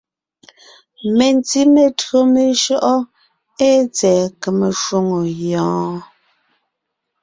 Mentí metÿǒ meshÿɔʼɔ́ ée tsɛ̀ɛ kème shwòŋo yɔɔn?